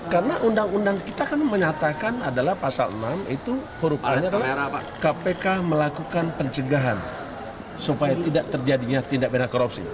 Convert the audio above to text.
karena undang undang kita kan menyatakan adalah pasal enam itu hurufannya adalah kpk melakukan pencegahan supaya tidak terjadinya tindak benar korupsi